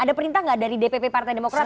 ada perintah nggak dari dpp partai demokrat